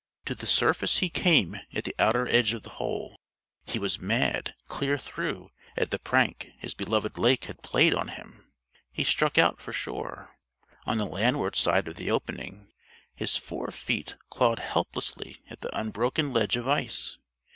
To the surface he came, at the outer edge of the hole. He was mad, clear through, at the prank his beloved lake had played on him. He struck out for shore. On the landward side of the opening his forefeet clawed helplessly at the unbroken ledge of ice.